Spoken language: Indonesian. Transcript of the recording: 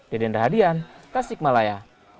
deden rahadian tasikmalaya